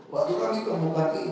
waktu kami kemukaan ini